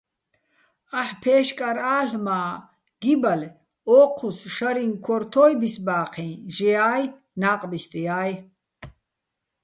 აჰ̦ ფე́შკარ ალ', მა́ გიბალე̆: ო́ჴუს შარი́ჼ ქორთო́ჲ ბისბა́ჴიჼ, ჟეა́ჲ, ნა́ყბისტია́ჲ.